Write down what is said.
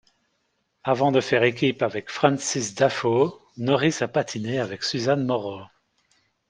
Avant de faire équipe avec Frances Dafoe, Norris a patiné avec Suzanne Morrow.